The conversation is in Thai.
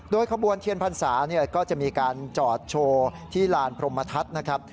ขบวนเทียนพรรษาก็จะมีการจอดโชว์ที่ลานพรมทัศน์นะครับ